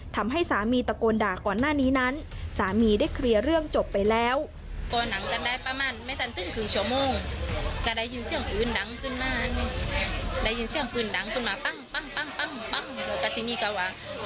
ทำให้สามีตะโกนด่าก่อนหน้านี้นั้นสามีได้เคลียร์เรื่องจบไปแล้ว